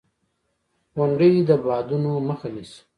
• غونډۍ د بادونو مخه نیسي.